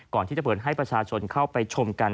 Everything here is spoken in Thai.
ก่อนที่จะเปิดให้ประชาชนเข้าไปชมกัน